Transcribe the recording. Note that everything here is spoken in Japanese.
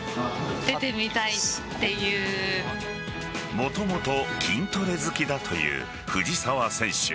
もともと筋トレ好きだという藤澤選手。